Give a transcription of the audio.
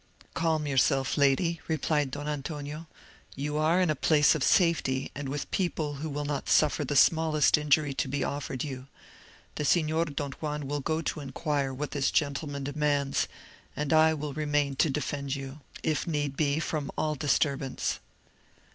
"Calm yourself, lady," replied Don Antonio; "you are in a place of safety, and with people who will not suffer the smallest injury to be offered you. The Signor Don Juan will go to inquire what this gentleman demands, and I will remain to defend you, if need be, from all disturbance."